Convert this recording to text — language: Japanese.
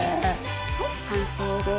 はい完成です。